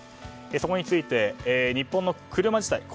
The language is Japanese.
それについて日本の車自体